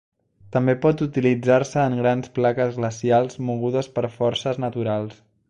També pot utilitzar-se en grans plaques glacials mogudes per forces naturals.